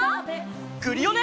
クリオネ！